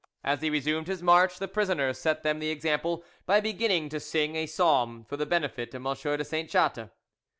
As he resumed his march the prisoner set them the example by beginning to sing a psalm for the benefit of M. de Saint Chatte.